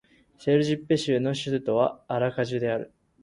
セルジッペ州の州都はアラカジュである